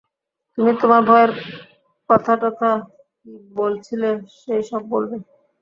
তুমি তোমার ভয়ের কথাটথা কি বলছিলে, সেই সব বলবে।